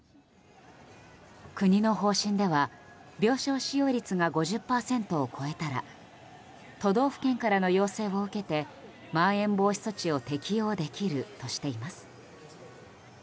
国の方針では病床使用率が５０％を超えたら都道府県からの要請を受けてまん延防止措置を適用できるとしています。